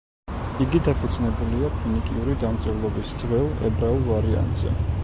იგი დაფუძნებულია ფინიკიური დამწერლობის ძველ ებრაულ ვარიანტზე.